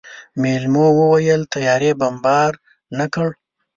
مېلمو وويل طيارې بمبارد نه کړ.